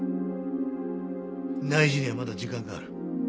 内示にはまだ時間がある。